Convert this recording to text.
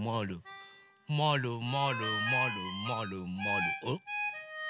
まるまるまるまるまるおっ。